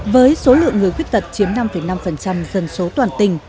với số lượng người khuất tật chiếm năm năm dân số toàn thân